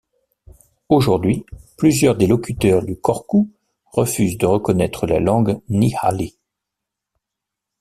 Aujourd'hui, plusieurs des locuteurs du korku refuse de reconnaître la langue nihali.